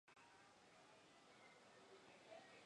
Es miembro de la Asociación Internacional de Críticos de Arte.